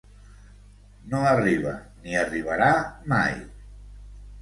No arriba ni arribarà mai.